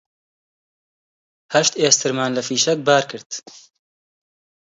هەشت ئێسترمان لە فیشەک بار کرد